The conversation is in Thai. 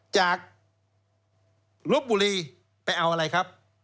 จากลบบุรีไปเอาอะไรครับ